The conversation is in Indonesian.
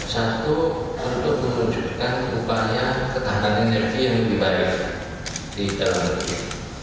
satu untuk mewujudkan upaya ketahanan energi yang lebih baik di dalam negeri